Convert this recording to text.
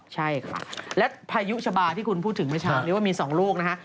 ใช่ค่ะและพายุชะบาที่คุณพูดถึงเมื่อเช้านี้ว่ามี๒ลูกนะฮะ